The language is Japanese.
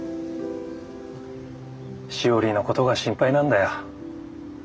しおりのことが心配なんだよ。